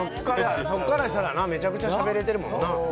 そこからしたらめちゃくちゃしゃべれてるもんな。